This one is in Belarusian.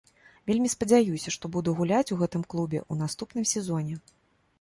Вельмі спадзяюся, што буду гуляць у гэтым клубе ў наступным сезоне.